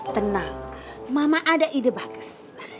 tenang mama ada ide bagus